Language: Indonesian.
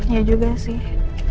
ya juga sih